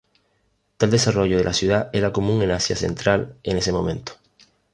Tal desarrollo de la ciudad era común en Asia central en ese momento.